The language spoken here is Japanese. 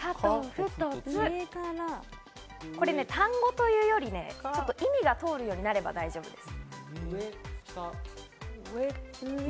これは単語というより、意味が通るようになれば大丈夫です。